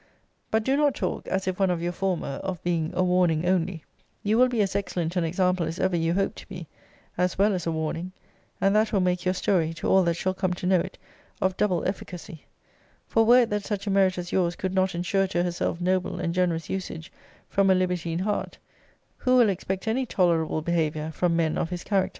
But do not talk, as if one of your former, of being a warning only* you will be as excellent an example as ever you hoped to be, as well as a warning: and that will make your story, to all that shall come to know it, of double efficacy: for were it that such a merit as yours could not ensure to herself noble and generous usage from a libertine heart, who will expect any tolerable behaviour from men of his character?